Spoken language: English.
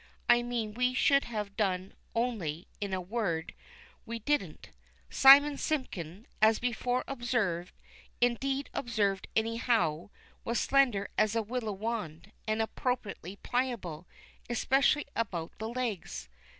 I mean we should have done, only, in a word, we didn't. Simon Simpkin, as before observed, indeed observed anyhow, was slender as a willow wand, and appropriately pliable, especially about the legs.